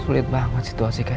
sulit banget situasikanya